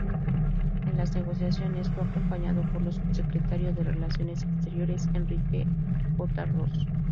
En las negociaciones fue acompañado por el Subsecretario de Relaciones Exteriores Enrique J. Ros.